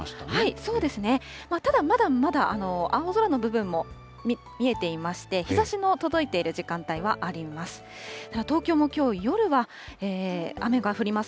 そうですね、ただ、まだまだ青空の部分も見えていまして、日ざしの届いている時間帯はあります。